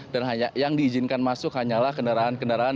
dan yang diizinkan masuk hanyalah kendaraan kendaraan